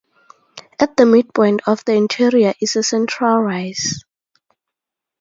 At the midpoint of the interior is a central rise.